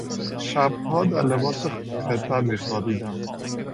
شبها در لباس خدمت میخوابیدیم.